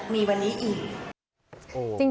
แม่งสุด